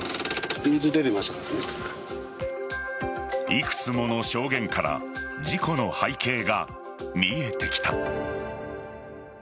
いくつもの証言から事故の背景が見えてきた。